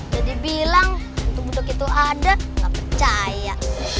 jadi bilang hantu budok itu ada nggak percaya